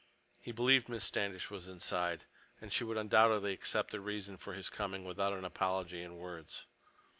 He believed Miss Standish was inside, and she would undoubtedly accept the reason for his coming without an apology in words.